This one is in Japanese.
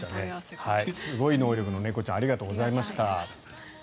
すごい能力の猫ちゃんありがとうございました。